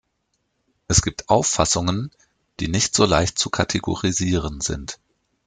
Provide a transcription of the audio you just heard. Es gibt Auffassungen, die nicht so leicht zu kategorisieren sind.